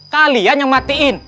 kalian yang matiin